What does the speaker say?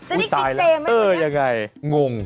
ทีนี้กายังไง